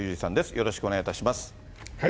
よろしくお願いします。